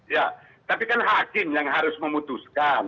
ya tapi kan hakim yang harus memutuskan